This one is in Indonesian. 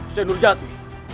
saya nur jatwi